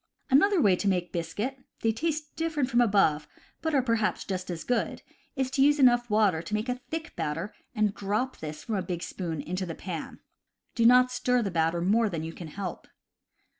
Another way to make biscuit (they taste different from the above, but are perhaps just as good) is to use enough water to make a thick batter, and drop this from a big spoon into the pan. Do not stir the batter more than you can help.